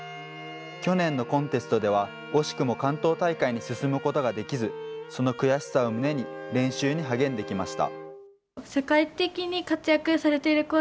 去年のコンテストでは、惜しくも関東大会に進むことができず、その悔しさを胸に練習に励んできました。